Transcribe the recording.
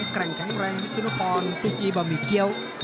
แข็งแข็งแรงวิสุนุพรซูจิบะหมี่เกี๊ยว